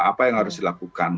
apa yang harus dilakukan